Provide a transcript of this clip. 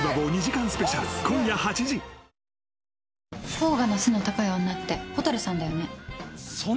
甲賀の背の高い女って蛍さんだよね。